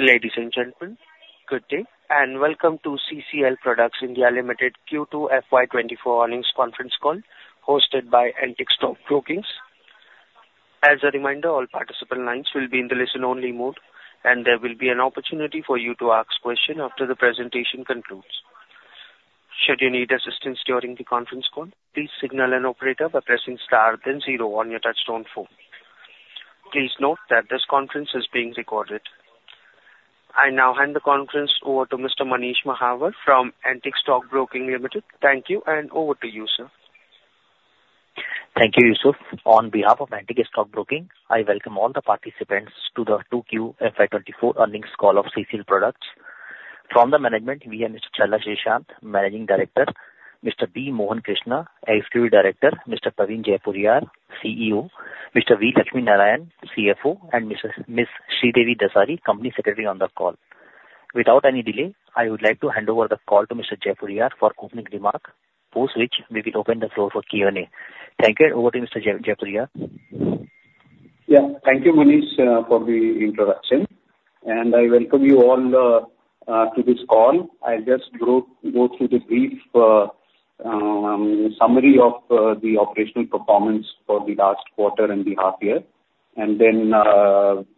Ladies and gentlemen, good day, and welcome to CCL Products (India) Limited Q2 FY 2024 earnings conference call, hosted by Antique Stock Broking. As a reminder, all participant lines will be in the listen-only mode, and there will be an opportunity for you to ask questions after the presentation concludes. Should you need assistance during the conference call, please signal an operator by pressing star then zero on your touchtone phone. Please note that this conference is being recorded. I now hand the conference over to Mr. Manish Mahawar from Antique Stock Broking Limited. Thank you, and over to you, sir. Thank you, Yusuf. On behalf of Antique Stock Broking, I welcome all the participants to the Q2 FY 2024 earnings call of CCL Products. From the management, we have Mr. Challa Srishant, Managing Director; Mr. B. Mohan Krishna, Executive Director; Mr. Praveen Jaipuriar, CEO; Mr. V. Lakshmi Narayana, CFO; and Mrs.- Miss Sridevi Dasari, Company Secretary on the call. Without any delay, I would like to hand over the call to Mr. Jaipuriar for opening remark, post which we will open the floor for Q&A. Thank you, and over to you, Mr. Jaipuriar. Yeah. Thank you, Manish, for the introduction, and I welcome you all to this call. I'll just go through the brief summary of the operational performance for the last quarter and the half year, and then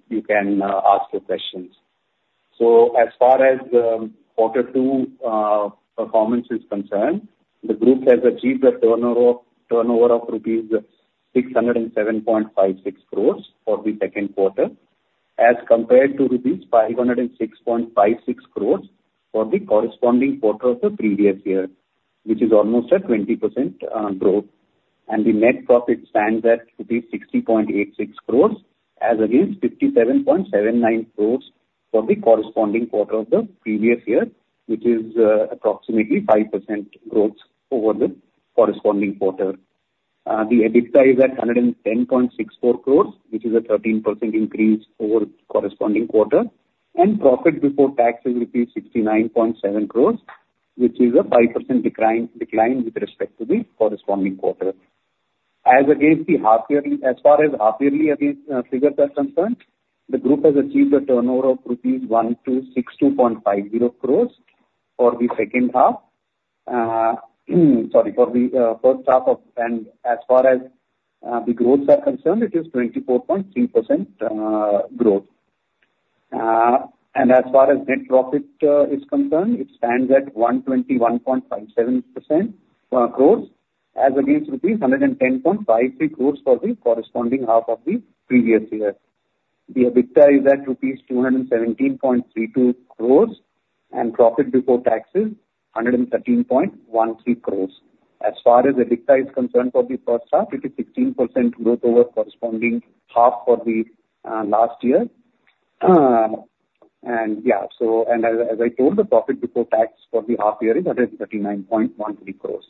you can ask your questions. So as far as quarter two performance is concerned, the group has achieved a turnover of rupees 607.56 crores for the second quarter as compared to rupees 506.56 crores for the corresponding quarter of the previous year, which is almost a 20% growth. And the net profit stands at rupees 60.86 crores, as against 57.79 crores for the corresponding quarter of the previous year, which is approximately 5% growth over the corresponding quarter. The EBITDA is at 110.64 crores, which is a 13% increase over the corresponding quarter. Profit before tax is rupees 69.7 crores, which is a 5% decline with respect to the corresponding quarter. As against the half yearly, as far as half yearly figures are concerned, the group has achieved a turnover of rupees 1,262.50 crores for the second half, sorry, for the first half of. As far as the growths are concerned, it is 24.3% growth. As far as net profit is concerned, it stands at 121.57 crores, as against rupees 110.53 crores for the corresponding half of the previous year. The EBITDA is at rupees 217.32 crore, and profit before tax is 113.13 crore. As far as EBITDA is concerned for the first half, it is 16% growth over corresponding half for the last year. And yeah, so, and as, as I told the profit before tax for the half year is 139.13 crore.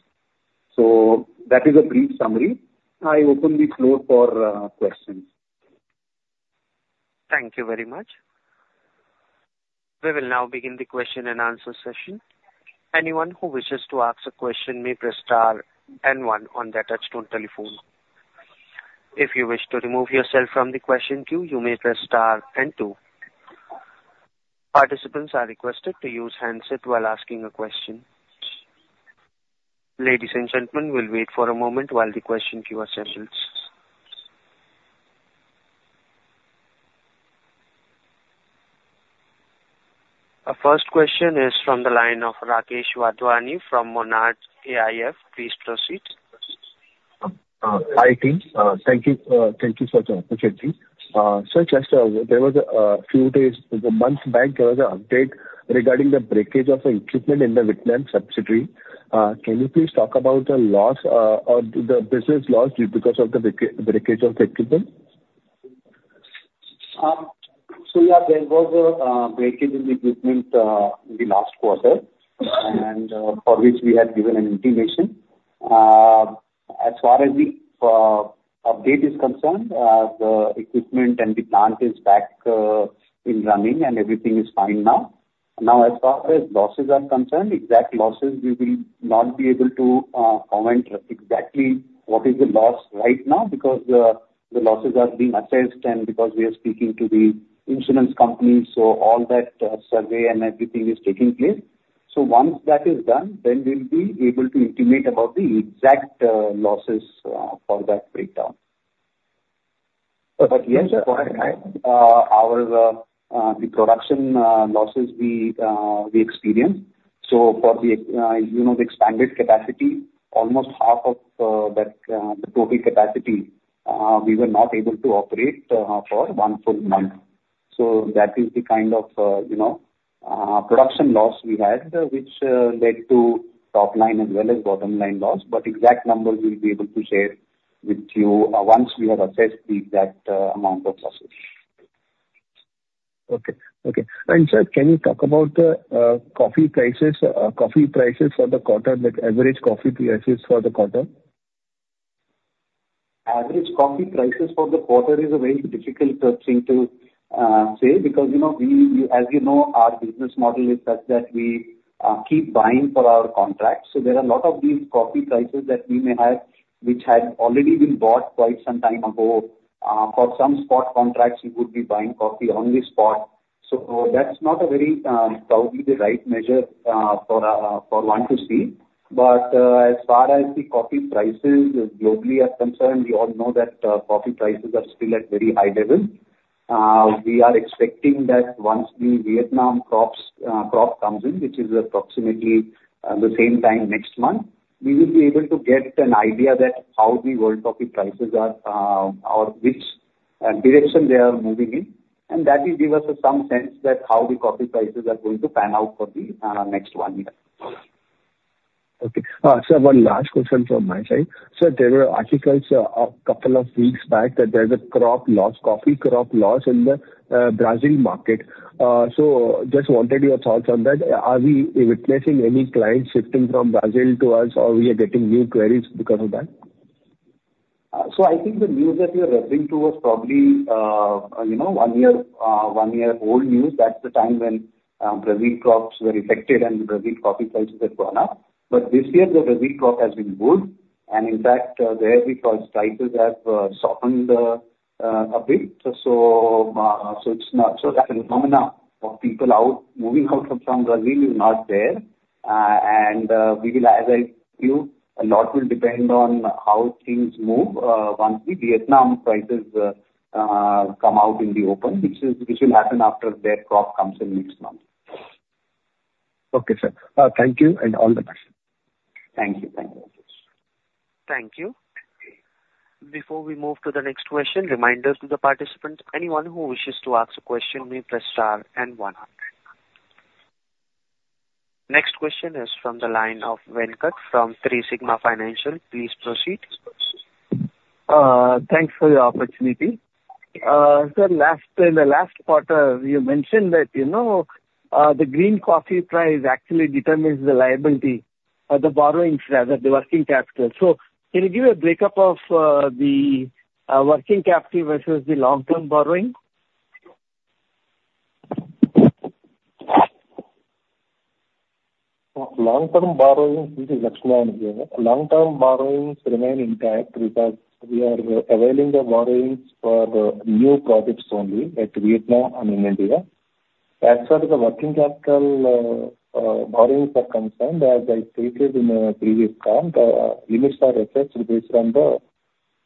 So that is a brief summary. I open the floor for questions. Thank you very much. We will now begin the question and answer session. Anyone who wishes to ask a question may press star and one on their touchtone telephone. If you wish to remove yourself from the question queue, you may press star and two. Participants are requested to use handset while asking a question. Ladies and gentlemen, we'll wait for a moment while the question queue assembles. Our first question is from the line of Rakesh Wadhwani from Monarch AIF. Please proceed. Hi, team. Thank you, thank you for the opportunity. So just there was a few days, months back, there was an update regarding the breakage of equipment in the Vietnam subsidiary. Can you please talk about the loss, or the business loss due because of the breakage of the equipment? So yeah, there was a breakage in the equipment in the last quarter, and for which we had given an intimation. As far as the update is concerned, the equipment and the plant is back in running, and everything is fine now. Now, as far as losses are concerned, exact losses, we will not be able to comment exactly what is the loss right now, because the losses are being assessed and because we are speaking to the insurance company, so all that survey and everything is taking place. So once that is done, then we'll be able to intimate about the exact losses for that breakdown. But yes, go ahead. Our production losses we experienced. So for the expanded capacity, almost half of that, the total capacity, we were not able to operate for one full month. So that is the kind of, you know, production loss we had, which led to top line as well as bottom line loss. But exact number we'll be able to share with you, once we have assessed the exact amount of losses. Okay. Okay. Sir, can you talk about the, coffee prices, coffee prices for the quarter, like, average coffee prices for the quarter? Average coffee prices for the quarter is a very difficult thing to say because, you know, we, as you know, our business model is such that we keep buying for our contracts. So there are a lot of these coffee prices that we may have, which have already been bought quite some time ago. For some spot contracts, we would be buying coffee on the spot. So that's not a very probably the right measure for one to see. But, as far as the coffee prices globally are concerned, we all know that coffee prices are still at very high level. We are expecting that once the Vietnam crops crop comes in, which is approximately the same time next month, we will be able to get an idea that how the world coffee prices are or which direction they are moving in. And that will give us some sense that how the coffee prices are going to pan out for the next one year. Okay. Sir, one last question from my side. Sir, there were articles a couple of weeks back that there's a crop loss, coffee crop loss in the Brazil market. So just wanted your thoughts on that. Are we witnessing any clients shifting from Brazil to us, or we are getting new queries because of that? So I think the news that you're referring to was probably, you know, one year old news. That's the time when Brazil crops were affected and the Brazil coffee prices had gone up. But this year, the Brazil crop has been good, and in fact, there because prices have softened a bit. So, so it's not. So that phenomenon of people moving out from Brazil is not there. And, we will, as I view, a lot will depend on how things move, once the Vietnam prices come out in the open, which will happen after their crop comes in next month. Okay, sir. Thank you and all the best. Thank you. Thank you. Thank you. Before we move to the next question, reminder to the participants, anyone who wishes to ask a question, may press star and one. Next question is from the line of Venkat from Three Sigma Financial. Please proceed. Thanks for the opportunity. So, in the last quarter, you mentioned that, you know, the green coffee price actually determines the liability of the borrowings rather the working capital. So can you give a breakup of the working capital versus the long-term borrowing? Long-term borrowings, this is Laxman here. Long-term borrowings remain intact because we are availing the borrowings for the new projects only at Vietnam and in India. As far as the working capital, borrowings are concerned, as I stated in the previous call, the limits are assessed based on the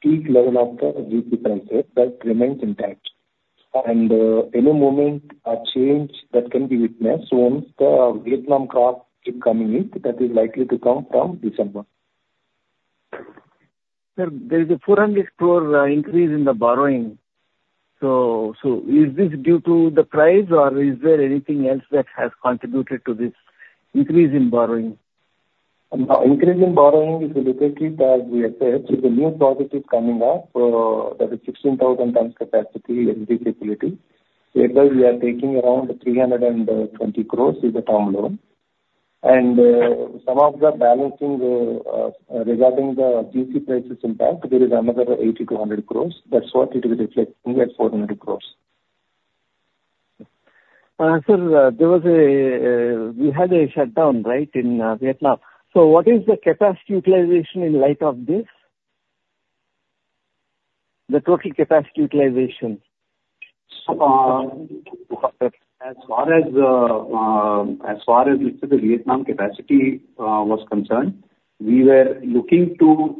peak level of the GC prices, that remains intact. And, any moment a change that can be witnessed once the Vietnam crop keep coming in, that is likely to come from December. Sir, there is a 400 crore increase in the borrowing. So, so is this due to the price or is there anything else that has contributed to this increase in borrowing? Increase in borrowing is literally as we said, the new project is coming up. That is 16,000 tons capacity in the facility, where we are taking around 320 crore is the term loan. And some of the balancing regarding the GC prices impact, there is another 80 crores-100 crores. That's what it will reflect in that 400 crore. Sir, there was a, you had a shutdown, right, in Vietnam. So what is the capacity utilization in light of this? The total capacity utilization. As far as, let's say, the Vietnam capacity was concerned, we were looking to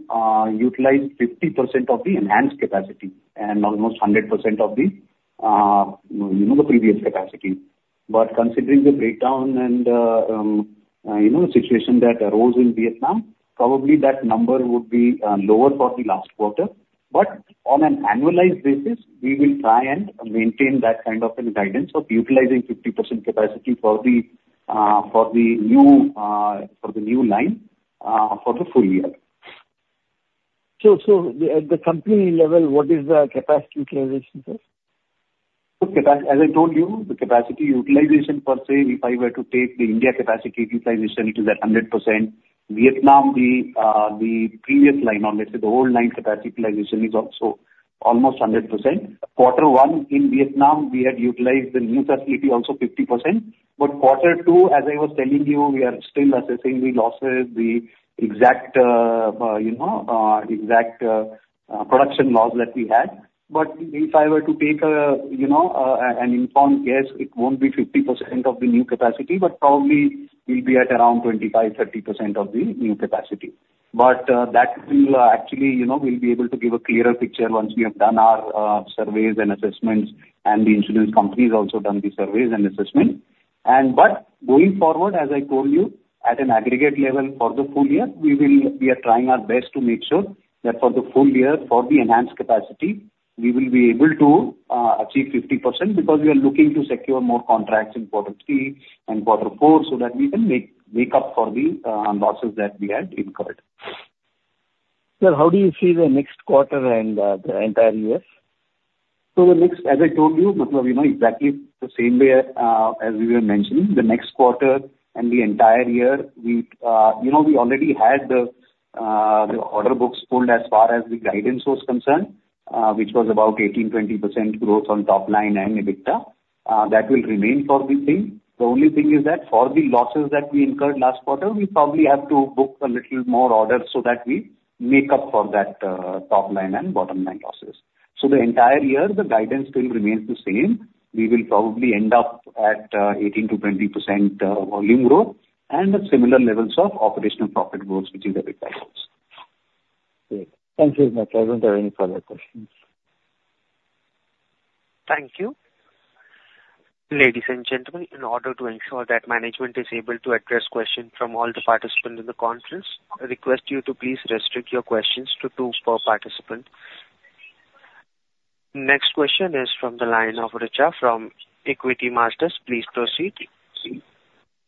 utilize 50% of the enhanced capacity and almost 100% of the, you know, the previous capacity. But considering the breakdown and, you know, situation that arose in Vietnam, probably that number would be lower for the last quarter. But on an annualized basis, we will try and maintain that kind of a guidance of utilizing 50% capacity for the new line for the full-year. So, at the company level, what is the capacity utilization, sir? The capacity, as I told you, the capacity utilization per se, if I were to take the India capacity utilization, it is at 100%. Vietnam, the previous line or let's say, the old line capacity utilization is also almost 100%. Quarter one in Vietnam, we had utilized the new capacity also 50%, but quarter two, as I was telling you, we are still assessing the losses, the exact, you know, exact production loss that we had. But if I were to take a, you know, an informed guess, it won't be 50% of the new capacity, but probably will be at around 25-30% of the new capacity. But that will actually, you know, we'll be able to give a clearer picture once we have done our surveys and assessments, and the insurance companies also done the surveys and assessment. But going forward, as I told you, at an aggregate level for the full-year, we will we are trying our best to make sure that for the full-year, for the enhanced capacity, we will be able to achieve 50%, because we are looking to secure more contracts in quarter three and quarter four, so that we can make, make up for the losses that we had incurred. Sir, how do you see the next quarter and, the entire year? So the next, as I told you, you know, exactly the same way, as we were mentioning, the next quarter and the entire year, we, you know, we already had the, the order books pulled as far as the guidance was concerned, which was about 18%-20% growth on top line and EBITDA. That will remain for the thing. The only thing is that for the losses that we incurred last quarter, we probably have to book a little more orders so that we make up for that, top line and bottom line losses. So the entire year, the guidance still remains the same. We will probably end up at, 18%-20%, volume growth and the similar levels of operational profit growth, which is EBITDA growth. Great. Thank you very much. I don't have any further questions. Thank you. Ladies and gentlemen, in order to ensure that management is able to address questions from all the participants in the conference, I request you to please restrict your questions to two per participant. Next question is from the line of Richa from Equitymaster. Please proceed.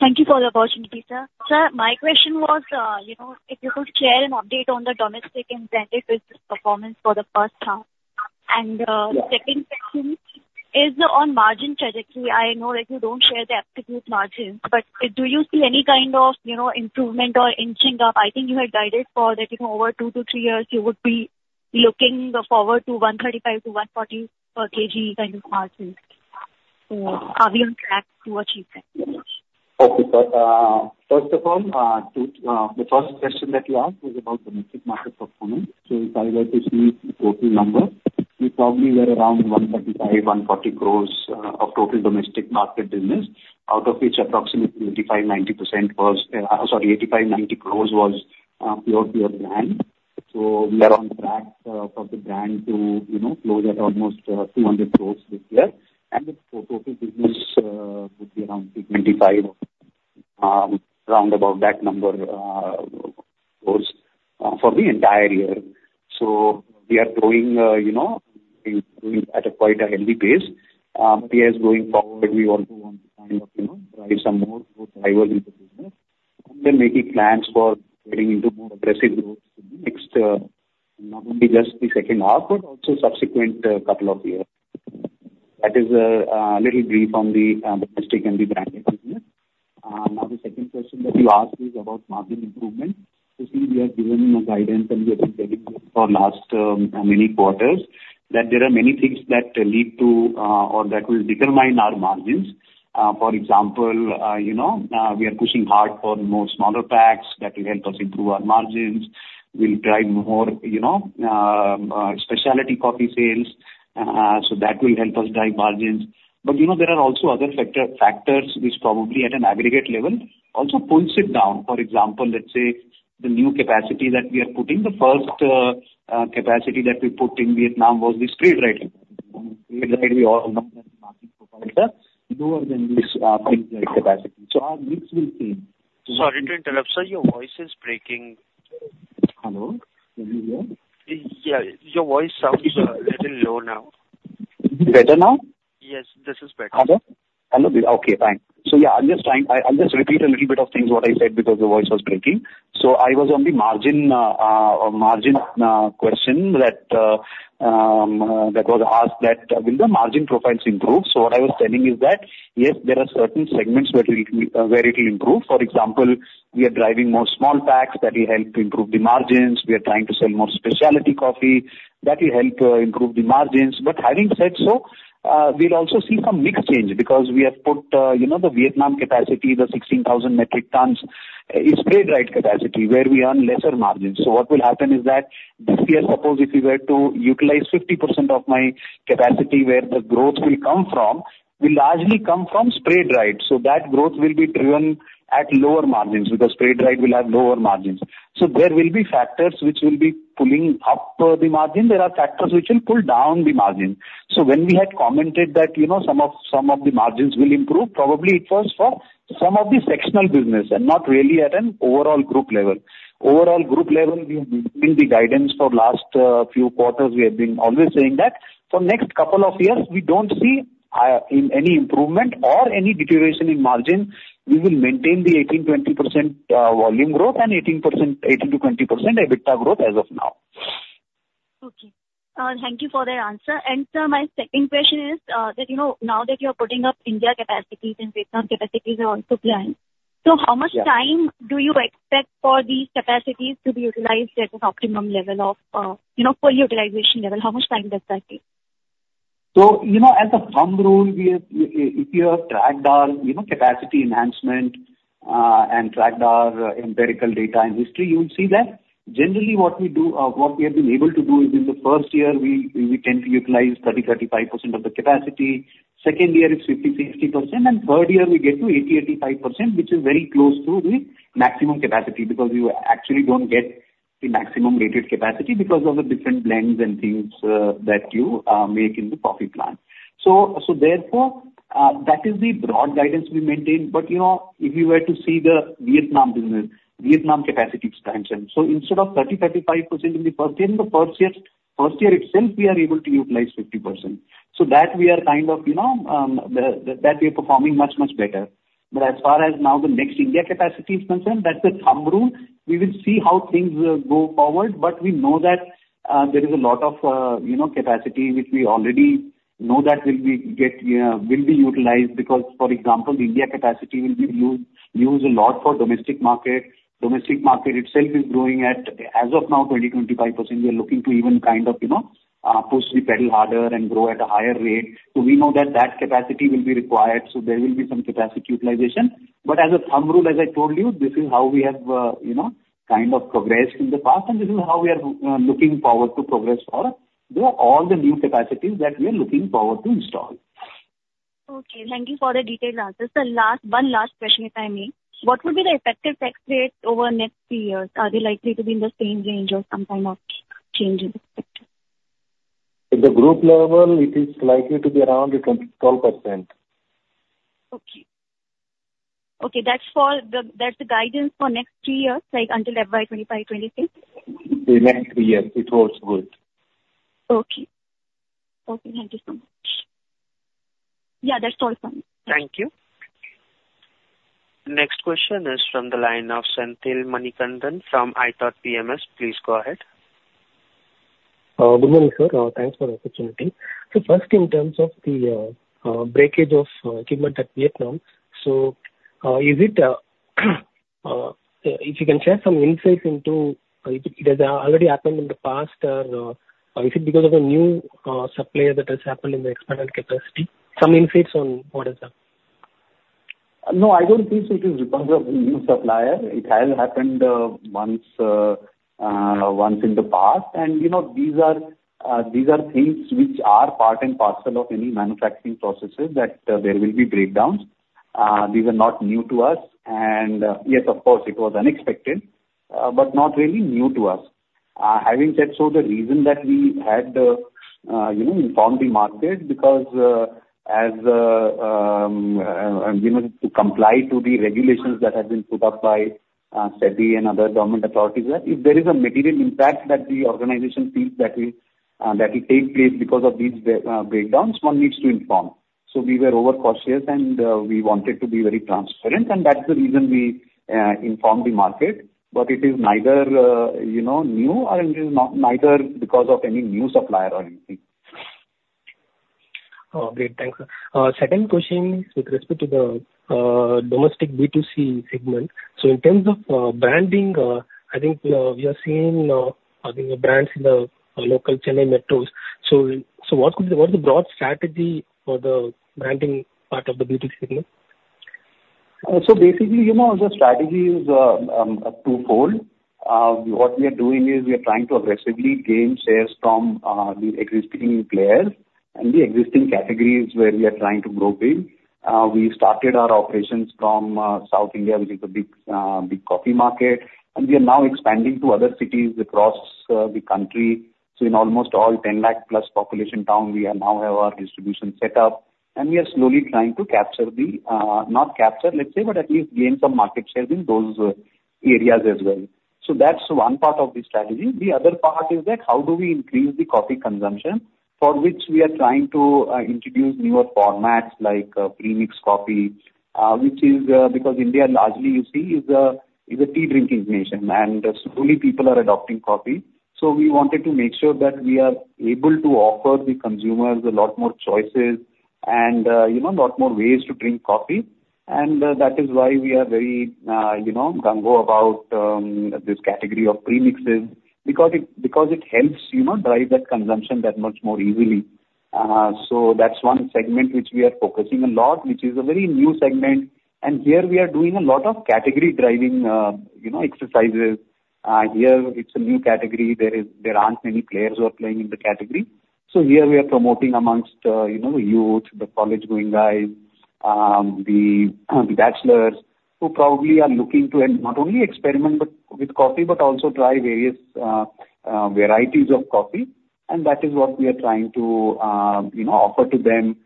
Thank you for the opportunity, sir. Sir, my question was, you know, if you could share an update on the domestic and branded business performance for the first half. The second question is on margin trajectory. I know that you don't share the absolute margins, but do you see any kind of, you know, improvement or inching up? I think you had guided for that in over two to three years, you would be looking forward to 135 crore-140 per kg kind of margins. Are we on track to achieve that? Okay. So, first of all, the first question that you asked was about the market performance. So if I were to see the total number, we probably were around 135-140 crores of total domestic market business, out of which approximately 85-90% was, sorry, 85-90 crores was pure play brand. So we are on track for the brand to, you know, close at almost 200 crores this year. And the total business would be around 325 crores, round about that number, for the entire year. So we are growing, you know, growing at a quite a healthy pace. But yes, going forward, we also want to kind of, you know, drive some more growth drivers into business and then making plans for getting into more aggressive growth in the next, not only just the second half, but also subsequent, couple of years. That is, a little brief on the, domestic and the branded business. Now, the second question that you asked is about margin improvement. So see, we have given a guidance and we have been very clear for last, many quarters, that there are many things that lead to, or that will determine our margins. For example, you know, we are pushing hard for more smaller packs that will help us improve our margins. We'll drive more, you know, specialty coffee sales, so that will help us drive margins. But, you know, there are also other factors which probably at an aggregate level also pulls it down. For example, let's say the new capacity that we are putting, the first capacity that we put in Vietnam was the spray drying. Spray dry, we all know that the margin profile is lower than the capacity. So our mix will change. Sorry to interrupt, sir. Your voice is breaking. Hello, can you hear? Yeah, your voice sounds a little low now. Better now? Yes, this is better. Hello? Hello. Okay, fine. So yeah, I'll just try, I'll just repeat a little bit of things what I said because the voice was breaking. So I was on the margin question that was asked that will the margin profiles improve? So what I was telling is that, yes, there are certain segments where it will, where it will improve. For example, we are driving more small packs that will help to improve the margins. We are trying to sell more specialty coffee. That will help, improve the margins. But having said so, we'll also see some mix change because we have put, you know, the Vietnam capacity, the 16,000 metric tons is spray dried capacity, where we earn lesser margins. So what will happen is that this year, suppose if we were to utilize 50% of my capacity, where the growth will come from, will largely come from spray dried. So that growth will be driven at lower margins because spray dried will have lower margins. So there will be factors which will be pulling up the margin. There are factors which will pull down the margin. So when we had commented that, you know, some of, some of the margins will improve, probably it was for some of the sectional business and not really at an overall group level. Overall group level, we have been the guidance for last few quarters. We have been always saying that for next couple of years, we don't see in any improvement or any deterioration in margin. We will maintain the 18%-20% volume growth and 18%-20% EBITDA growth as of now. Okay. Thank you for the answer. Sir, my second question is, that, you know, now that you're putting up India capacities and Vietnam capacities are also planned, so how much time? Yeah. Do you expect for these capacities to be utilized at an optimum level of, you know, fully utilization level? How much time does that take? So, you know, as a thumb rule, we have, if you have tracked our, you know, capacity enhancement, and tracked our empirical data and history, you'll see that generally what we do or what we have been able to do is in the first year, we tend to utilize 30%-35% of the capacity. Second year is 50%-60%, and third year we get to 80%-85%, which is very close to the maximum capacity, because you actually don't get the maximum rated capacity because of the different blends and things that you make in the coffee plant. So, therefore, that is the broad guidance we maintain. But, you know, if you were to see the Vietnam business, Vietnam capacity expansion. So instead of 30%-35% in the first year, in the first year, first year itself, we are able to utilize 50%. So that we are kind of, you know, that we are performing much, much better. But as far as now the next India capacity is concerned, that's a thumb rule. We will see how things go forward, but we know that there is a lot of, you know, capacity which we already know that will be utilized. Because, for example, the India capacity will be used a lot for domestic market. Domestic market itself is growing at, as of now, 20%-25%. We are looking to even kind of, you know, push the pedal harder and grow at a higher rate. So we know that that capacity will be required, so there will be some capacity utilization. But as a thumb rule, as I told you, this is how we have, you know, kind of progressed in the past, and this is how we are looking forward to progress for, you know, all the new capacities that we are looking forward to install. Okay, thank you for the detailed answers. Sir, last, one last question, if I may. What would be the effective tax rate over the next three years? Are they likely to be in the same range or some kind of changes? At the group level, it is likely to be around 12%. Okay. Okay, that's for the, that's the guidance for next three years, like until FY 2025, 2026? The next three years, it holds good. Okay. Okay, thank you so much. Yeah, that's all from me. Thank you. Next question is from the line of Senthil Manikandan from iThought PMS. Please go ahead. Good morning, sir. Thanks for the opportunity. So first, in terms of the breakage of equipment at Vietnam, so, is it if you can share some insights into it, it has already happened in the past, or is it because of a new supplier that has happened in the expanded capacity? Some insights on what is that. No, I don't think it is because of the new supplier. It has happened once in the past. And, you know, these are things which are part and parcel of any manufacturing processes, that there will be breakdowns. These are not new to us, and yes, of course, it was unexpected, but not really new to us. Having said so, the reason that we had, you know, informed the market, because, as, you know, to comply to the regulations that have been put up by SEBI and other government authorities, that if there is a material impact that the organization feels that will take place because of these breakdowns, one needs to inform. So we were overcautious, and we wanted to be very transparent, and that's the reason we informed the market. But it is neither, you know, new or it is neither because of any new supplier or anything. Oh, great. Thanks, sir. Second question is with respect to the domestic B2C segment. So in terms of branding, I think we are seeing, I think the brands in the local Chennai metros. So, what is the broad strategy for the branding part of the B2C segment? So basically, you know, the strategy is twofold. What we are doing is we are trying to aggressively gain shares from the existing players and the existing categories where we are trying to grow big. We started our operations from South India, which is a big big coffee market, and we are now expanding to other cities across the country. So in almost all 10 lakh plus population town, we now have our distribution set up, and we are slowly trying to capture the not capture, let's say, but at least gain some market share in those areas as well. So that's one part of the strategy. The other part is that how do we increase the coffee consumption, for which we are trying to introduce newer formats like premixed coffee, which is because India largely, you see, is a tea-drinking nation, and slowly people are adopting coffee. So we wanted to make sure that we are able to offer the consumers a lot more choices and, you know, a lot more ways to drink coffee. And that is why we are very, you know, gung ho about this category of premixes, because it helps, you know, drive that consumption that much more easily. So that's one segment which we are focusing a lot, which is a very new segment. And here we are doing a lot of category driving, you know, exercises. Here it's a new category. There is, there aren't many players who are playing in the category. So here we are promoting amongst, you know, youth, the college-going guys, the bachelors, who probably are looking to, and not only experiment, but with coffee, but also try various varieties of coffee, and that is what we are trying to, you know, offer to them.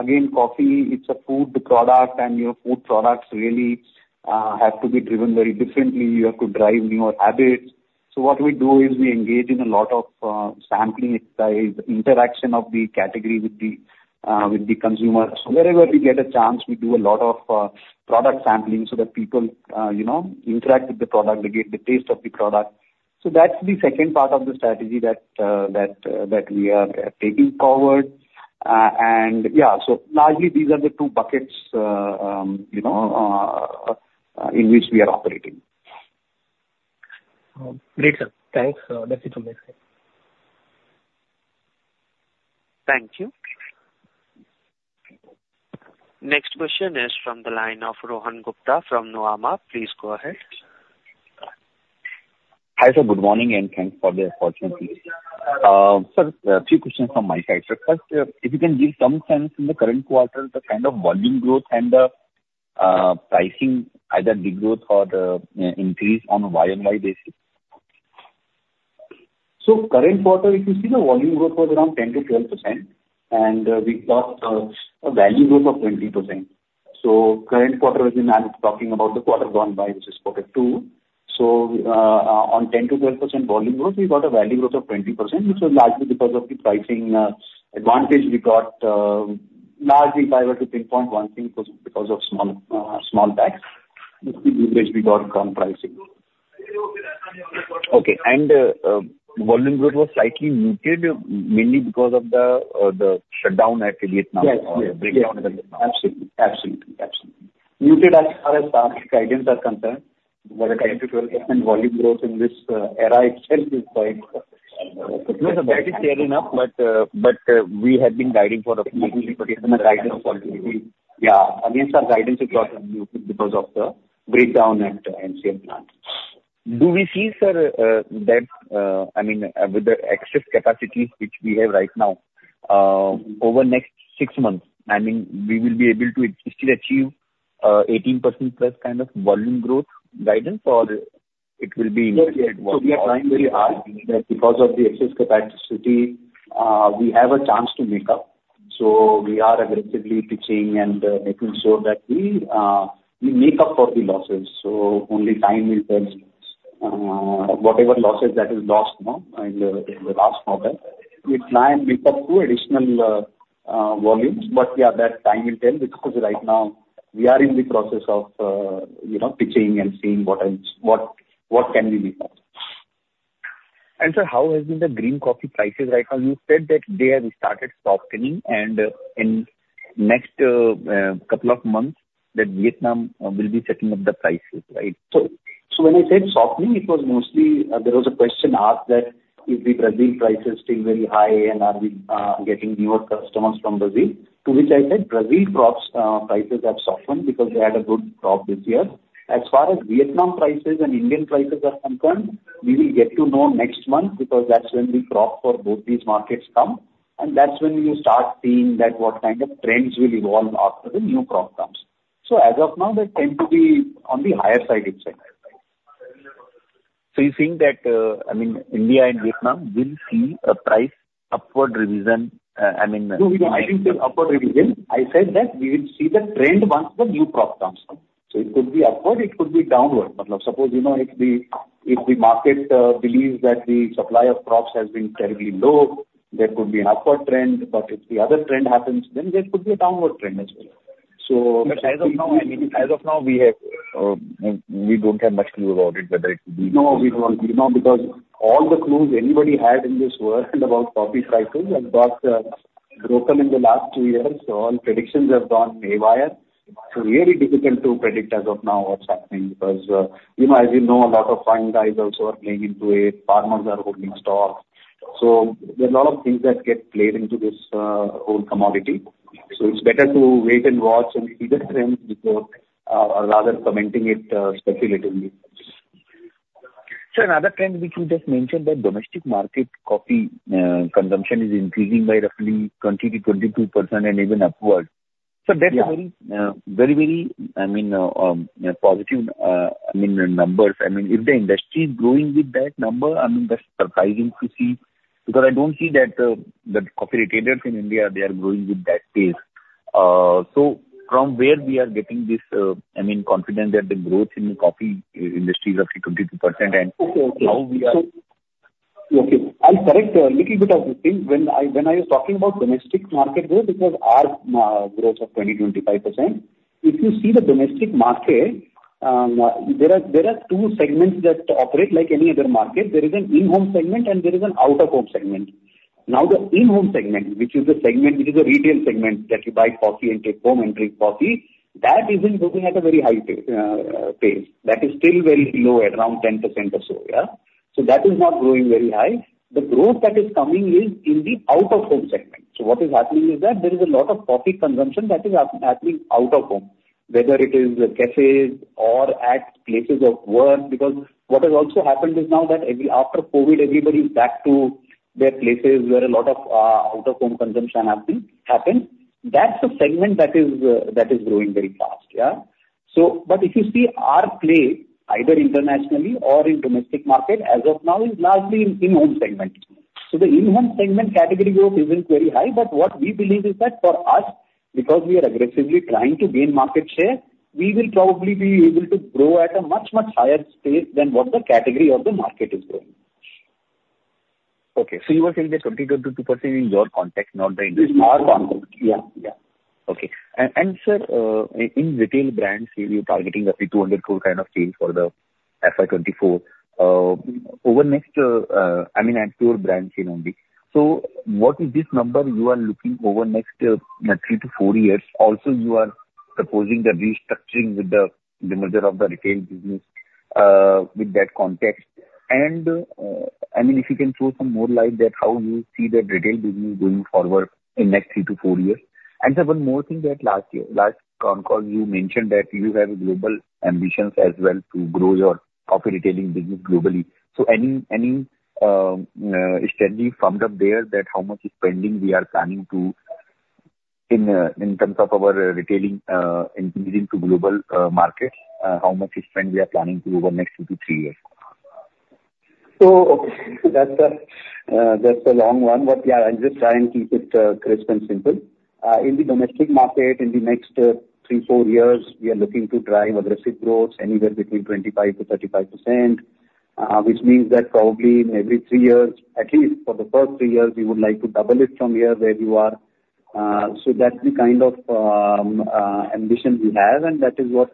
Again, coffee, it's a food product, and, you know, food products really have to be driven very differently. You have to drive newer habits. So what we do is we engage in a lot of sampling exercise, interaction of the category with the with the consumer. So wherever we get a chance, we do a lot of product sampling so that people, you know, interact with the product, they get the taste of the product. So that's the second part of the strategy that we are taking forward. And yeah, so largely these are the two buckets, you know, in which we are operating. Great, sir. Thanks. That's it from my side. Thank you. Next question is from the line of Rohan Gupta from Nuvama Institutional Equities. Please go ahead. Hi, sir. Good morning, and thanks for the opportunity. Sir, a few questions from my side. So first, if you can give some sense in the current quarter, the kind of volume growth and the, pricing, either degrowth or the, increase on a YMY basis. So current quarter, if you see the volume growth was around 10%-12%, and, we got, a value growth of 20%. So current quarter, as in I'm talking about the quarter gone by, which is quarter two. So, on 10%-12% volume growth, we got a value growth of 20%. This was largely because of the pricing, advantage we got, largely 5%-3.1% because of small, small tax, which we got from pricing. Okay. Volume growth was slightly muted, mainly because of the shutdown at Vietnam Yesor the breakdown in Vietnam. Absolutely. Absolutely, absolutely. Muted as far as our guidance are concerned, but 10%-12% volume growth in this era itself is quite. No, sir, that is fair enough, but we had been guiding for the. Yeah, against our guidance, we got muted because of the breakdown at the Ngon plant. Do we see, sir, that I mean, with the excess capacity which we have right now, over next six months, I mean, we will be able to still achieve 18%+ kind of volume growth guidance or it will be, Yes, yeah. So we are trying very hard, because of the excess capacity, we have a chance to make up. So we are aggressively pitching and making sure that we make up for the losses. So only time will tell whatever losses that is lost now in the last quarter. We try and make up two additional volumes, but, yeah, that time will tell, because right now we are in the process of you know, pitching and seeing what else, what can we make up. And, sir, how has been the green coffee prices right now? You said that they have started softening, and in next couple of months, that Vietnam will be setting up the prices, right? So when I said softening, it was mostly there was a question asked that if the Brazil prices still very high, and are we getting newer customers from Brazil? To which I said, Brazil crops, prices have softened because they had a good crop this year. As far as Vietnam prices and Indian prices are concerned, we will get to know next month, because that's when the crop for both these markets come, and that's when you start seeing that what kind of trends will evolve after the new crop comes. So as of now, they tend to be on the higher side, it's safe. So you're saying that, I mean, India and Vietnam will see a price upward revision, I mean No, we don't. I didn't say upward revision. I said that we will see the trend once the new crop comes from. So it could be upward, it could be downward. But now, suppose you know, if the market believes that the supply of crops has been terribly low, there could be an upward trend, but if the other trend happens, then there could be a downward trend as well. But as of now, I mean, as of now, we don't have much clue about it, whether it will be No, we don't. You know, because all the clues anybody had in this world about coffee prices have got broken in the last two years, so all predictions have gone haywire. It's really difficult to predict as of now what's happening, because you know, as you know, a lot of foreign guys also are playing into it. Farmers are holding stock. So there are a lot of things that get played into this whole commodity. So it's better to wait and watch and see the trend before rather commenting it speculatively. Sir, another trend which you just mentioned, that domestic market coffee consumption is increasing by roughly 20%-22% and even upward. Yeah. So that's a very, very, very, I mean, positive, I mean, numbers. I mean, if the industry is growing with that number, I mean, that's surprising to see, because I don't see that the coffee retailers in India, they are growing with that pace. So from where we are getting this, I mean, confidence that the growth in the coffee industry is up to 22%, and- Okay, okay. -now we are Okay. I'll correct a little bit of this thing. When I, when I was talking about domestic market growth, it was our growth of 20%-25%. If you see the domestic market, there are two segments that operate like any other market. There is an in-home segment and there is an out-of-home segment. Now, the in-home segment, which is the segment, which is a retail segment, that you buy coffee and take home and drink coffee, that is in growing at a very high pace. That is still very low, at around 10% or so, yeah. So that is not growing very high. The growth that is coming is in the out-of-home segment. So what is happening is that there is a lot of coffee consumption that is happening out of home, whether it is cafes or at places of work, because what has also happened is now that, after COVID, everybody is back to their places, where a lot of out-of-home consumption has happened. That's the segment that is growing very fast, yeah? So, but if you see our play, either internationally or in domestic market, as of now is largely in in-home segment. So the in-home segment category growth isn't very high, but what we believe is that for us, because we are aggressively trying to gain market share, we will probably be able to grow at a much, much higher pace than what the category or the market is growing. Okay. So you are saying that 20%-22% in your context, not the industry? Our context. Yeah, yeah. Okay. And, and sir, in retail brands, you, you're targeting roughly 200 crore kind of sales for the FY 2024, over next, I mean, at your brand sale only. So what is this number you are looking over next, three to four years? Also, you are proposing the restructuring with the demerger of the retail business, with that context. And, I mean, if you can throw some more light that how you see the retail business going forward in next three to four years. And then one more thing, that last year, last con call, you mentioned that you have global ambitions as well to grow your coffee retailing business globally. So any strategy formed up there, that how much spending we are planning to in, in terms of our retailing, into global, markets? How much spend we are planning to over next two to three years? So that's a, that's a long one. But yeah, I'll just try and keep it, crisp and simple. In the domestic market, in the next three to four years, we are looking to drive aggressive growth anywhere between 25%-35%, which means that probably in every three years, at least for the first three years, we would like to double it from where we are. So that's the kind of ambition we have, and that is what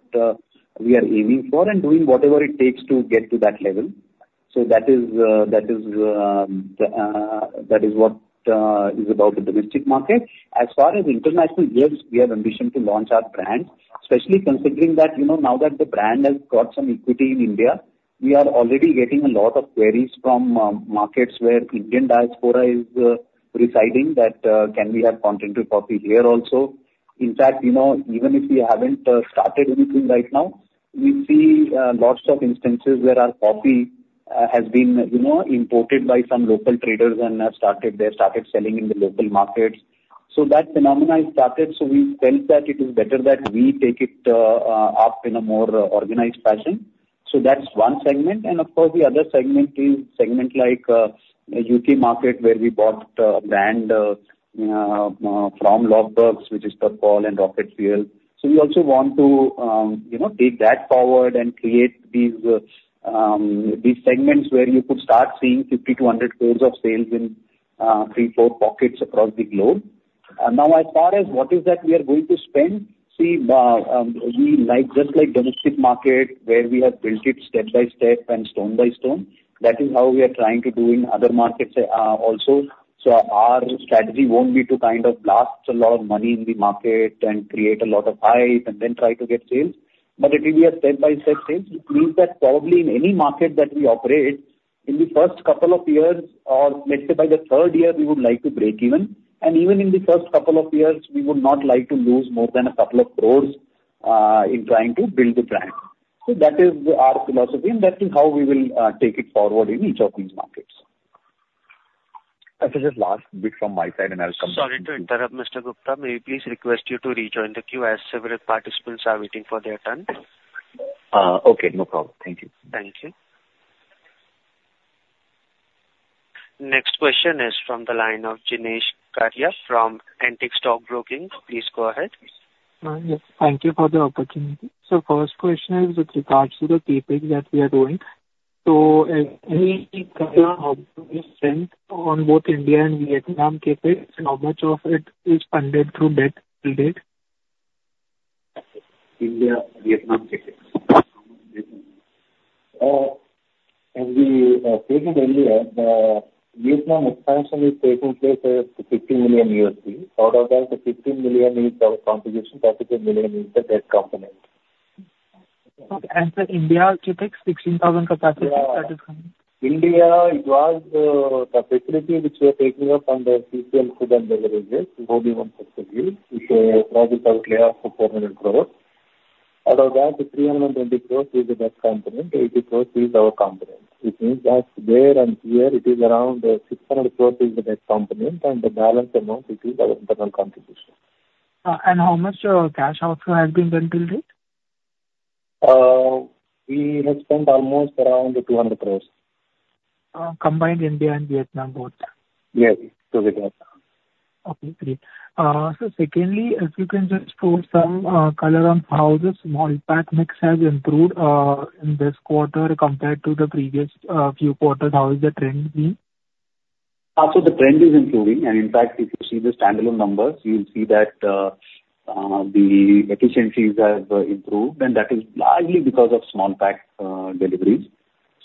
we are aiming for and doing whatever it takes to get to that level. So that is what is about the domestic market. As far as international goes, we have ambition to launch our brand, especially considering that, you know, now that the brand has got some equity in India, we are already getting a lot of queries from markets where Indian diaspora is residing, that can we have Continental Coffee here also? In fact, you know, even if we haven't started anything right now, we see lots of instances where our coffee has been, you know, imported by some local traders and they started selling in the local markets. So that phenomena has started, so we felt that it is better that we take it up in a more organized fashion. So that's one segment, and of course, the other segment is segment like UK market, where we bought a brand from Löfbergs, which is Turpol and Rocket Fuel. So we also want to, you know, take that forward and create these, these segments where you could start seeing 50 crores-100 crores of sales in three, four pockets across the globe. Now, as far as what is that we are going to spend, we like, just like domestic market, where we have built it step by step and stone by stone, that is how we are trying to do in other markets, also. So our strategy won't be to kind of blast a lot of money in the market and create a lot of hype and then try to get sales, but it will be a step-by-step sales, which means that probably in any market that we operate, in the first couple of years, or let's say by the third year, we would like to break even. Even in the first couple of years, we would not like to lose more than 2 crores in trying to build the brand. That is our philosophy, and that is how we will take it forward in each of these markets. That is just last bit from my side, and I'll come back. Sorry to interrupt, Mr. Gupta. May we please request you to rejoin the queue, as several participants are waiting for their turn? Okay. No problem. Thank you. Thank you. Next question is from the line of Jinesh Karia from Antique Stock Broking. Please go ahead. Yes. Thank you for the opportunity. So first question is with regards to the CapEx that we are doing. So, any update on both India and Vietnam CapEx, and how much of it is funded through debt to date? India, Vietnam CapEx. As we stated earlier, the Vietnam expansion is taking place, $50 million. Out of that, the $15 million is our contribution, $30 million is the debt component. Okay, and for India CapEx, 16,000 capacity- Yeah. - that is coming. India, it was, the facility which we were taking up on the CCL Food and Beverage, will be one facility. It's a project outlay of INR 400 crore. Out of that, INR 320 crore is the debt component, INR 80 crore is our component. Which means that there and here it is around, INR 600 crore is the debt component, and the balance amount, it is our internal contribution. How much of cash also has been built in it? We have spent almost around 200 crore. Combined India and Vietnam, both? Yes. So we have. Okay, great. So secondly, if you can just throw some color on how the small pack mix has improved in this quarter compared to the previous few quarters. How is the trend been? So the trend is improving, and in fact, if you see the standalone numbers, you'll see that the efficiencies have improved, and that is largely because of small pack deliveries.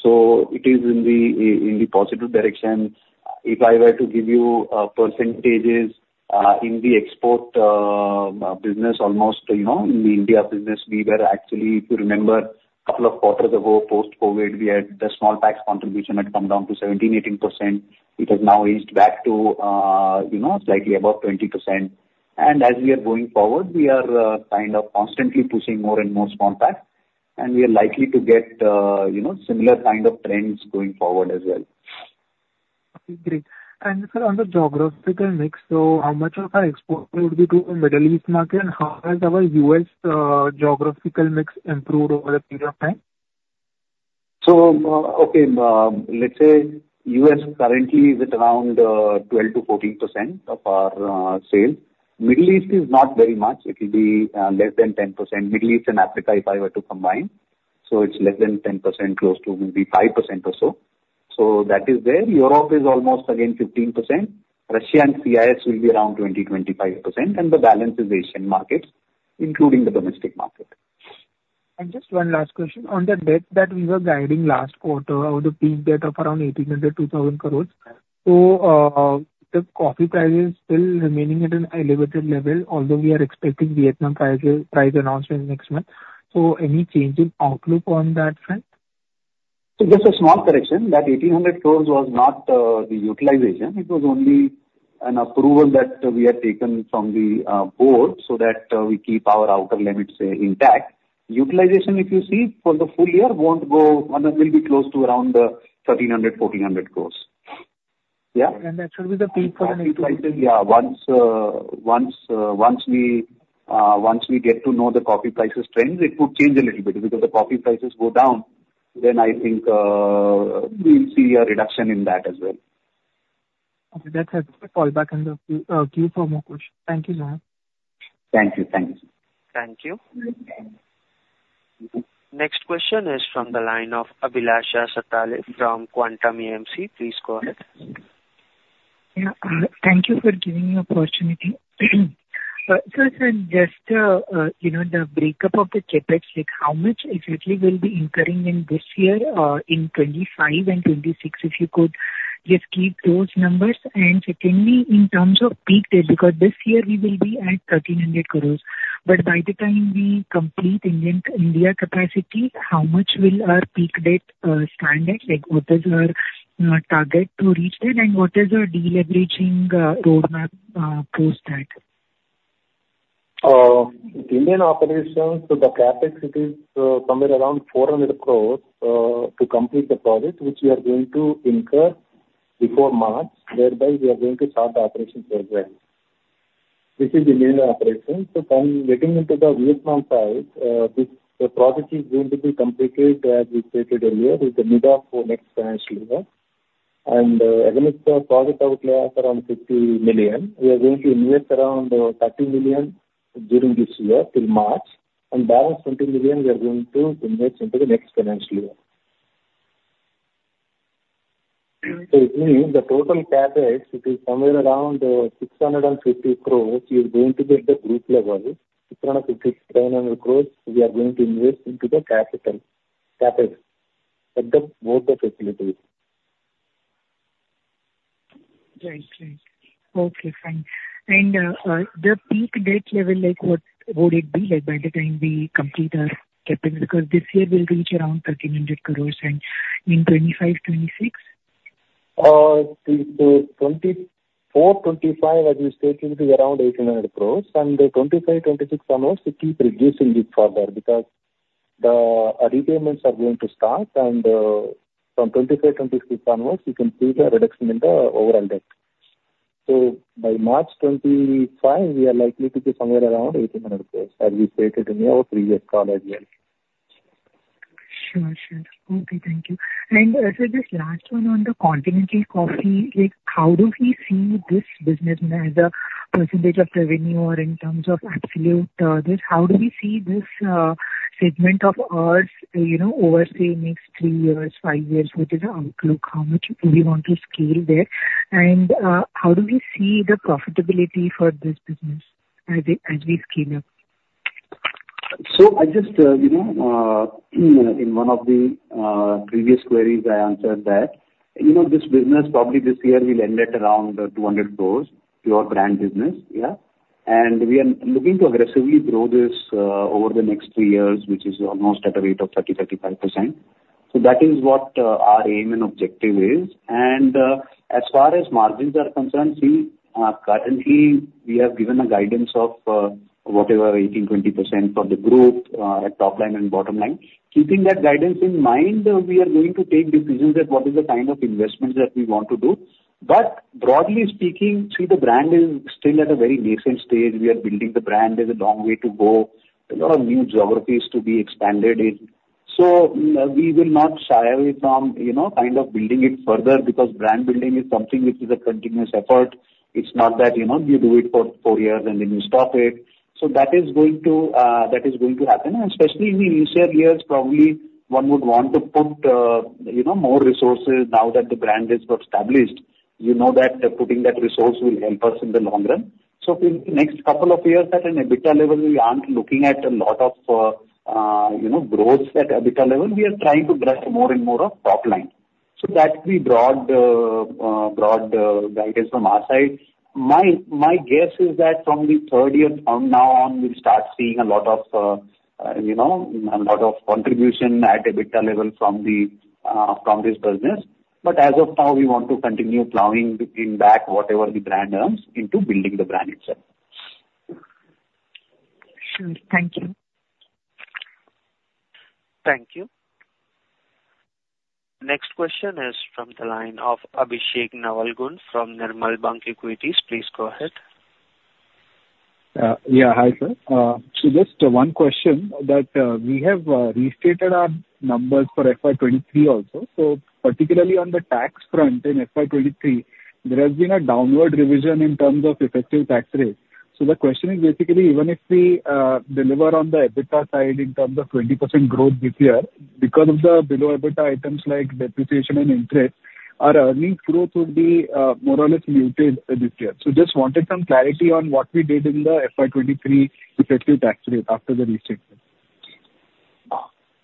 So it is in the positive direction. If I were to give you percentages in the export business, almost, you know, in the India business, we were actually, if you remember, a couple of quarters ago, post-COVID, we had the small packs contribution had come down to 17-18%. It has now inched back to, you know, slightly above 20%. And as we are going forward, we are kind of constantly pushing more and more small packs, and we are likely to get, you know, similar kind of trends going forward as well. Okay, great. And sir, on the geographical mix, so how much of our export would be to the Middle East market, and how has our US geographical mix improved over a period of time? Okay, let's say US currently is at around 12%-14% of our sales. Middle East is not very much. It will be less than 10%. Middle East and Africa, if I were to combine, so it's less than 10%, close to maybe 5% or so. That is there. Europe is almost again 15%. Russia and CIS will be around 20-25%, and the balance is Asian markets, including the domestic market. Just one last question. On the debt that we were guiding last quarter about the peak debt of around 1,800-2,000 crores, so, the coffee price is still remaining at an elevated level, although we are expecting Vietnam price, price announcement next month. So any change in outlook on that front? So just a small correction, that 1,800 crore was not the utilization. It was only an approval that we had taken from the board, so that we keep our outer limits intact. Utilization, if you see, for the full-year, won't go, will be close to around 1,300 crore-1,400 crore. Yeah? That should be the peak for the next- Yeah. Once we get to know the coffee prices trends, it could change a little bit. If the coffee prices go down, then I think we'll see a reduction in that as well. Okay, that's helpful. I call back in the queue for more questions. Thank you, ma'am. Thank you. Thank you. Thank you. Next question is from the line of Abhilasha Satale from Quantum AMC. Please go ahead. Yeah, thank you for giving the opportunity. So, sir, just, you know, the breakup of the CapEx, like, how much exactly we'll be incurring in this year, in 2025 and 2026, if you could just give those numbers? And secondly, in terms of peak debt, because this year we will be at 1,300 crore. But by the time we complete Indian-India capacity, how much will our peak debt stand at? Like, what is our target to reach there, and what is your de-leveraging roadmap post that? Indian operations, so the CapEx, it is somewhere around 400 crore to complete the project, which we are going to incur before March, whereby we are going to start the operations as well. This is the main operation. So coming, getting into the Vietnam side, this, the project is going to be completed, as we stated earlier, with the mid of next financial year. And against the project outlay of around $50 million, we are going to invest around $30 million during this year till March, and balance $20 million we are going to invest into the next financial year. So it means the total CapEx, it is somewhere around 650 crore is going to be at the group level. 650 crore-700 crore, we are going to invest into the capital, CapEx at both the facilities. Right. Right. Okay, fine. And, the peak debt level, like, what would it be like by the time we complete our CapEx? Because this year we'll reach around 1,300 crore and in 2025, 2026? The 2024-2025, as we stated, is around 1,800 crore. And 2025-2026 onwards, we keep reducing it further because the repayments are going to start, and from 2025-2026 onwards, you can see the reduction in the overall debt. So by March 2025, we are likely to be somewhere around 1,800 crore, as we stated in our previous call as well. Sure, sure. Okay, thank you. And, sir, just last one on the Continental Coffee. Like, how do we see this business as a percentage of revenue or in terms of absolute, this? How do we see this, segment of ours, you know, over, say, next three years, five years? What is the outlook? How much do we want to scale there? And, how do we see the profitability for this business as it, as we scale up? So I just, you know, in one of the previous queries I answered that. You know, this business probably this year will end at around 200 crore, pure brand business, yeah. And we are looking to aggressively grow this over the next 3 years, which is almost at a rate of 30%-35%. So that is what our aim and objective is. And as far as margins are concerned, we currently have given a guidance of whatever 18%-20% for the group at top line and bottom line. Keeping that guidance in mind, we are going to take decisions at what is the kind of investments that we want to do. But broadly speaking, see, the brand is still at a very nascent stage. We are building the brand. There's a long way to go, a lot of new geographies to be expanded in. So we will not shy away from, you know, kind of building it further, because brand building is something which is a continuous effort. It's not that, you know, you do it for four years and then you stop it. So that is going to happen. And especially in the initial years, probably one would want to put, you know, more resources now that the brand is got established, you know, that putting that resource will help us in the long run. So in the next couple of years, at an EBITDA level, we aren't looking at a lot of growth at EBITDA level. We are trying to drive more and more of top line. So that's the broad guidance from our side. My guess is that from the third year from now on, we'll start seeing a lot of, you know, a lot of contribution at EBITDA level from this business. But as of now, we want to continue plowing back whatever the brand earns into building the brand itself. Sure. Thank you. Thank you. Next question is from the line of Abhishek Navalgund from Nirmal Bang Equities. Please go ahead. Yeah. Hi, sir. So just one question that we have restated our numbers for FY 2023 also. So particularly on the tax front, in FY 2023, there has been a downward revision in terms of effective tax rate. So the question is basically, even if we deliver on the EBITDA side in terms of 20% growth this year, because of the below EBITDA items like depreciation and interest, our earnings growth will be more or less muted this year. So just wanted some clarity on what we did in the FY 2023 effective tax rate after the restatement.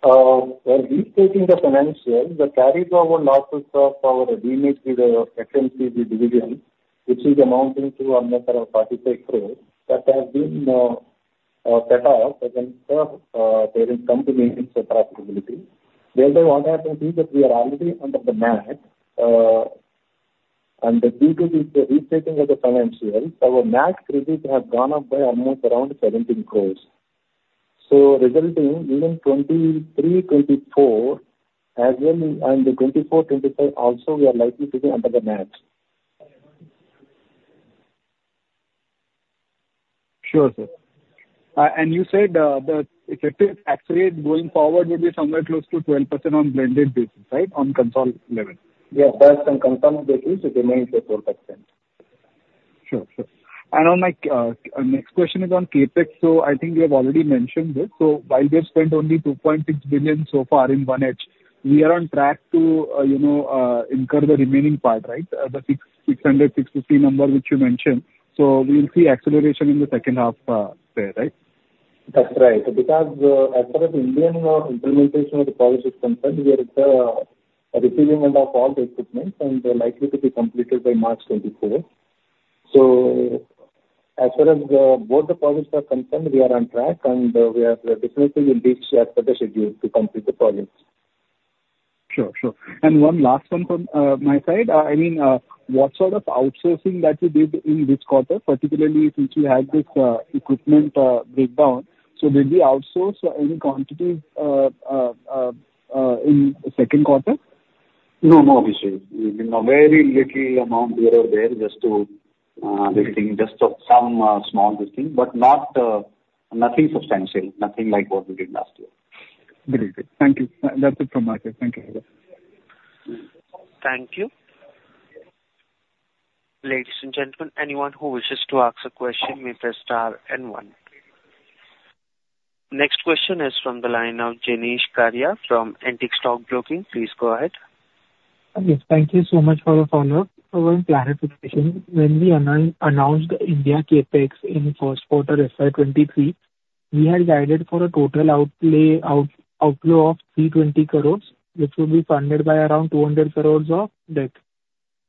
When restating the financials, the carry forward losses of our DMIC, FNC division, which is amounting to another 45 crore that has been set off against the parent company's profitability. The one thing is that we are already under the MAT, and due to this restating of the financials, our MAT credits have gone up by almost around 17 crore. Resulting in even 2023, 2024, as well, and the 2024, 2025 also, we are likely to be under the MAT. Sure, sir. And you said, the effective tax rate going forward will be somewhere close to 12% on blended basis, right? On consolidated level. Yes, sir. Confirmed, that is it remains at 4%. Sure. Sure. And now my next question is on CapEx. So I think you have already mentioned this. So while we have spent only 2.6 billion so far in 1H, we are on track to, you know, incur the remaining part, right? The 660 number, which you mentioned. So we will see acceleration in the second half, there, right? That's right, because, as far as Indian implementation of the policy is concerned, we are at the receiving end of all the equipment and they're likely to be completed by March 2024. So as far as both the projects are concerned, we are on track, and we are, we are definitely will reach as per the schedule to complete the projects. Sure, sure. And one last one from my side. I mean, what sort of outsourcing that you did in this quarter, particularly since you had this equipment breakdown. So did we outsource any quantity in the second quarter? No, no, Vishal. You know, very little amount here or there, just to listing, just of some small listing, but not nothing substantial, nothing like what we did last year. Great. Thank you. That's it from my side. Thank you. Thank you. Ladies and gentlemen, anyone who wishes to ask a question may press star and one. Next question is from the line of Jinesh Karia from Antique Stock Broking. Please go ahead. Yes, thank you so much for the follow-up. Around plant situation, when we announced India CapEx in first quarter FY 2023, we had guided for a total outflow of 320 crores, which will be funded by around 200 crores of debt.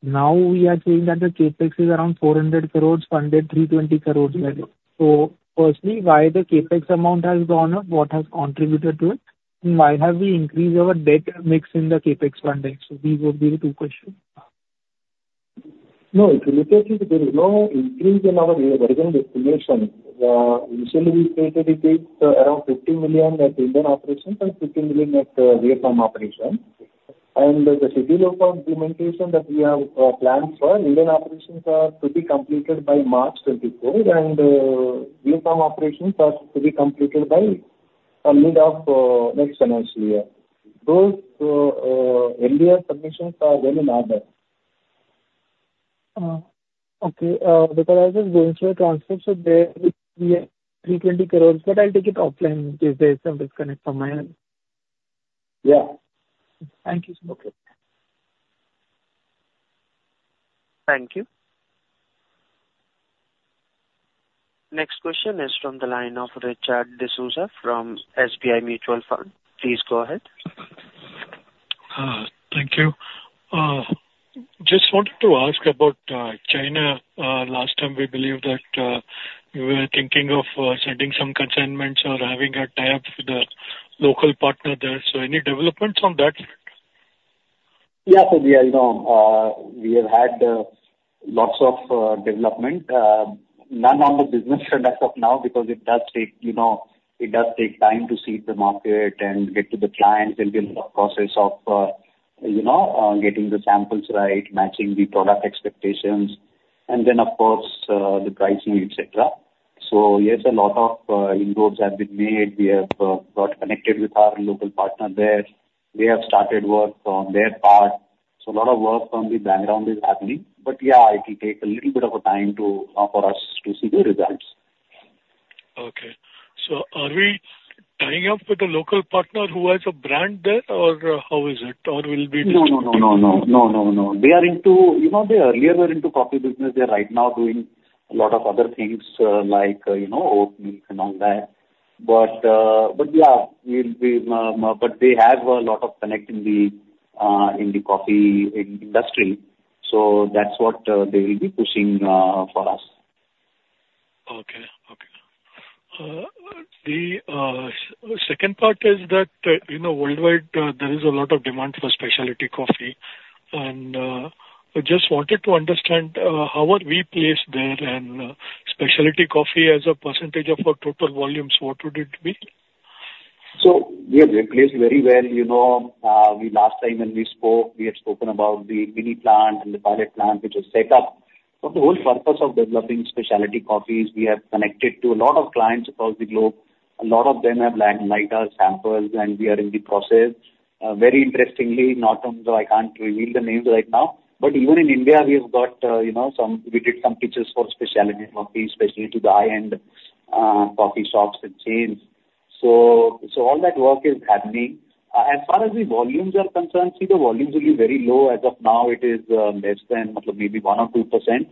Now we are saying that the CapEx is around 400 crores, funded 320 crores level. So firstly, why the CapEx amount has gone up? What has contributed to it? And why have we increased our debt mix in the CapEx funding? So these would be the two questions. No, if you look at it, there is no increase in our original estimation. Initially we stated it is around INR 50 million at Indian operations and INR 50 million at Vietnam operations. And the schedule of implementation that we have, planned for Indian operations are to be completed by March 2024, and, Vietnam operations are to be completed by mid of, next financial year. Those, Indian submissions are very moderate. Because I was going through your transcripts, so there is 320 crore, but I'll take it offline if there is some disconnect from my end. Yeah. Thank you so much. Thank you. Next question is from the line of Richard D'Souza from SBI Mutual Fund. Please go ahead. Thank you. Just wanted to ask about China. Last time we believe that you were thinking of sending some consignments or having a tie-up with the local partner there. So any developments on that front? Yeah. So we are, you know, we have had lots of development, none on the business end as of now, because it does take, you know, it does take time to see the market and get to the clients. There'll be a lot of process of, you know, getting the samples right, matching the product expectations, and then of course, the pricing, etcetera. So yes, a lot of inroads have been made. We have got connected with our local partner there. They have started work on their part. So a lot of work from the background is happening. But yeah, it will take a little bit of a time to, for us to see the results. Okay. So are we tying up with a local partner who has a brand there, or, how is it? Or will be- No, no, no, no, no, no, no, no. They are into... You know, they earlier were into coffee business. They are right now doing a lot of other things, like, you know, oat milk and all that. But, but yeah, we'll, we, but they have a lot of connect in the coffee industry, so that's what they will be pushing for us. Okay. Okay. The second part is that, you know, worldwide, there is a lot of demand for specialty coffee, and I just wanted to understand how are we placed there and specialty coffee as a percentage of our total volumes, what would it be? So we are placed very well. You know, we last time when we spoke, we had spoken about the mini plant and the pilot plant, which was set up. So the whole purpose of developing specialty coffee is we have connected to a lot of clients across the globe. A lot of them have liked, liked our samples, and we are in the process. Very interestingly, not only, so I can't reveal the names right now, but even in India we have got, you know, some—we did some pitches for specialty coffee, especially to the high-end, coffee shops and chains. So, so all that work is happening. As far as the volumes are concerned, see, the volumes will be very low. As of now, it is less than maybe 1% or 2%.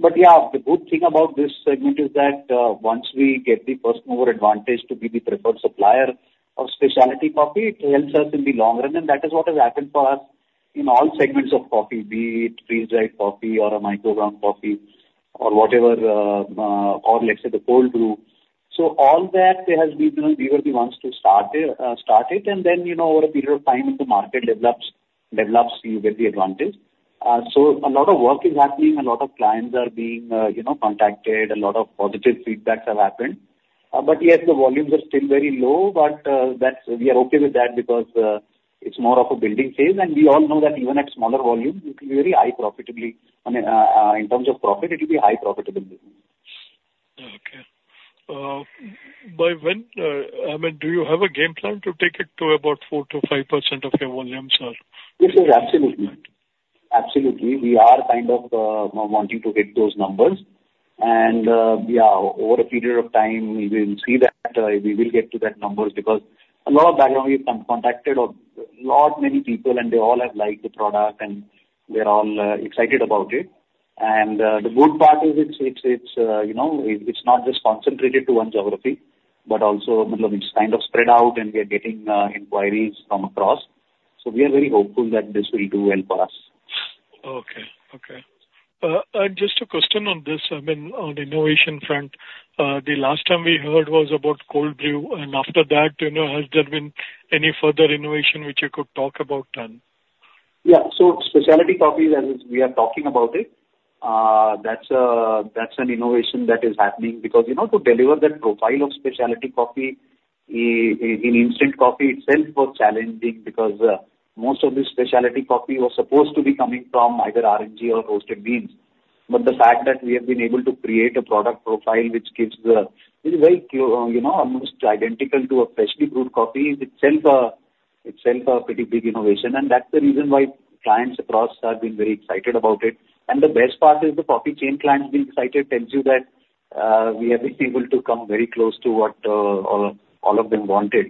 But yeah, the good thing about this segment is that once we get the first mover advantage to be the preferred supplier of specialty coffee, it helps us in the long run, and that is what has happened for us in all segments of coffee, be it freeze-dried coffee or a microground coffee or whatever, or let's say, the cold brew. So all that there has been, you know, we were the ones to start it, and then, you know, over a period of time, if the market develops, you get the advantage. So a lot of work is happening. A lot of clients are being, you know, contacted. A lot of positive feedbacks have happened. But yes, the volumes are still very low, but that's, we are okay with that because it's more of a building phase. We all know that even at smaller volumes, it will be very high profitability. I mean, in terms of profit, it will be high profitability. Okay. By when, I mean, do you have a game plan to take it to about 4%-5% of your volumes or? Yes, sir, absolutely. Absolutely. We are kind of wanting to hit those numbers. And, yeah, over a period of time, we will see that we will get to that numbers because a lot of background, we've contacted a lot, many people and they all have liked the product, and they're all excited about it. And, the good part is it's, it's, it's, you know, it, it's not just concentrated to one geography, but also, you know, it's kind of spread out, and we are getting inquiries from across. So we are very hopeful that this will do well for us. Okay. Okay. Just a question on this, I mean, on the innovation front. The last time we heard was about cold brew, and after that, you know, has there been any further innovation which you could talk about then? Yeah. So specialty coffee, as we are talking about it, that's an innovation that is happening because, you know, to deliver that profile of specialty coffee in instant coffee itself was challenging because most of the specialty coffee was supposed to be coming from either R&G or roasted beans. But the fact that we have been able to create a product profile which gives the, is very clear, you know, almost identical to a freshly brewed coffee, is itself a pretty big innovation. And that's the reason why clients across have been very excited about it. And the best part is the coffee chain clients being excited tells you that we have been able to come very close to what all of them wanted.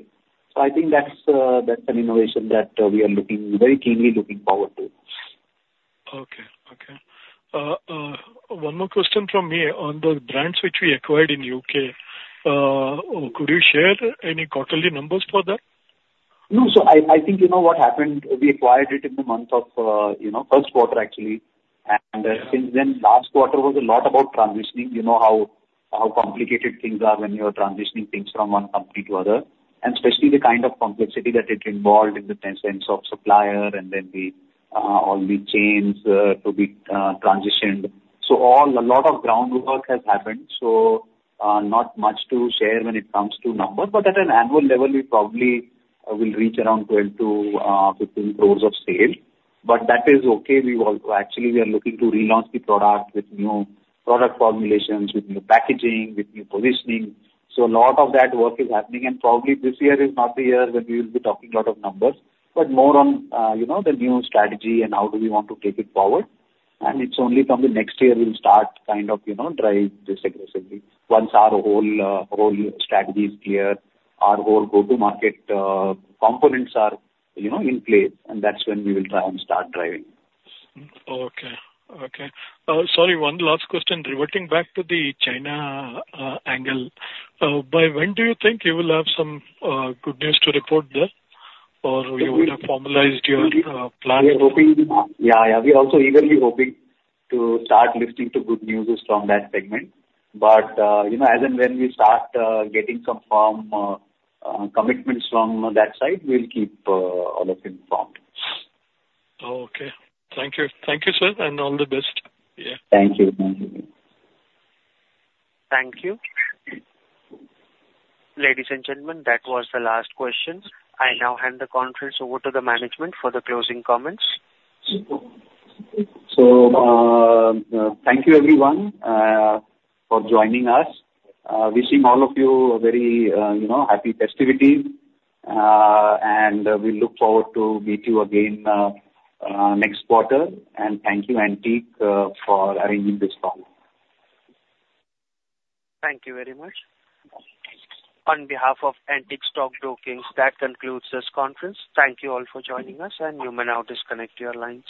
I think that's an innovation that we are very keenly looking forward to. Okay. Okay. One more question from me. On the brands which we acquired in U.K., could you share any quarterly numbers for that? No. So I think you know what happened, we acquired it in the month of, you know, first quarter actually, and since then, last quarter was a lot about transitioning. You know how complicated things are when you are transitioning things from one company to other, and especially the kind of complexity that it involved in the sense of supplier and then all the chains to be transitioned. So a lot of groundwork has happened, so not much to share when it comes to numbers, but at an annual level, we probably will reach around 12-15 crores of sales. But that is okay. We actually are looking to relaunch the product with new product formulations, with new packaging, with new positioning. So a lot of that work is happening. And probably this year is not the year when we will be talking a lot of numbers, but more on, you know, the new strategy and how do we want to take it forward. And it's only from the next year we'll start to kind of, you know, drive this aggressively. Once our whole, whole strategy is clear, our whole go-to market, components are, you know, in place, and that's when we will try and start driving. Okay, okay. Sorry, one last question. Reverting back to the China angle. By when do you think you will have some good news to report there, or you would have formalized your plan? We are hoping... Yeah, yeah, we're also eagerly hoping to start listening to good news from that segment. But, you know, as and when we start getting some firm commitments from that side, we'll keep all of you informed. Okay. Thank you. Thank you, sir, and all the best. Yeah. Thank you. Thank you. Thank you. Ladies and gentlemen, that was the last question. I now hand the conference over to the management for the closing comments. So, thank you everyone for joining us. Wishing all of you a very, you know, happy festivity, and we look forward to meet you again next quarter. And thank you, Antique, for arranging this call. Thank you very much. On behalf of Antique Stock Broking, that concludes this conference. Thank you all for joining us, and you may now disconnect your lines.